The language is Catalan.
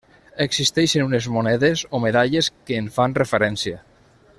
Existeixen unes monedes o medalles que en fan referència.